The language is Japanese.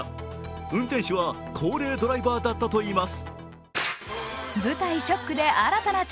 運転手は高齢ドライバーだったといいます。